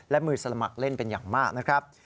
และมือสมัครเล่นเป็นอย่างมากนะครับ